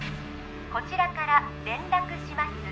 こちらから連絡します